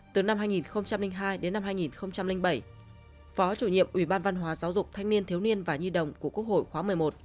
từ năm hai nghìn hai đến năm hai nghìn bảy phó chủ nhiệm ủy ban văn hóa giáo dục thanh niên thiếu niên và nhi đồng của quốc hội khóa một mươi một